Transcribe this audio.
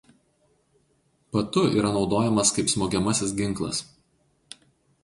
Patu yra naudojamas "kaip" smogiamasis ginklas.